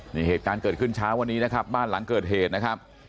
นี่เหตุการณ์เกิดขึ้นเช้าวันนี้นะครับบ้านหลังเกิดเหตุนะครับ